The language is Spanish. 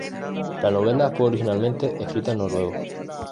La novela fue originalmente escrita en noruego.